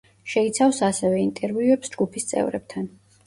შეიცავს ასევე ინტერვიუებს ჯგუფის წევრებთან.